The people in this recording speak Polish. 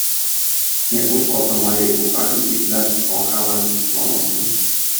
"Nie uszło to mojej uwagi i wnet zwąchałem pismo nosem."